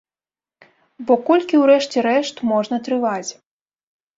Бо колькі ў рэшце рэшт можна трываць?